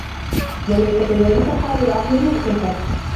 وَلَيْسَ كَذَلِكَ حَالُ الْعَقْلِ الْمُكْتَسَبِ